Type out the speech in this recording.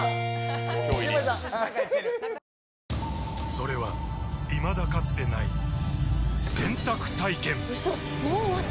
それはいまだかつてない洗濯体験‼うそっ！